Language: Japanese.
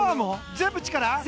全部、力。